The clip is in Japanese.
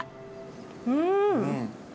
うん！